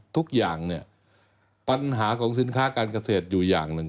ทุกอย่างเนี่ยปัญหาของสินค้าการเกษตรอยู่อย่างหนึ่ง